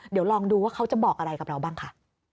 เดี๋ยวลองดูว่าเขาจะบอกอะไรกับเราบ้างค่ะ